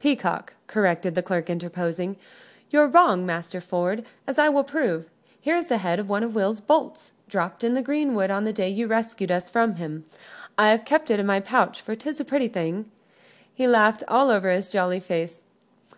"Peacock," corrected the clerk, interposing. "You're wrong, Master Ford, as I will prove. Here is the head of one of Will's bolts, dropped in the greenwood on the day you rescued us from him. I have kept it in my pouch, for 'tis a pretty thing." He laughed all over his jolly face.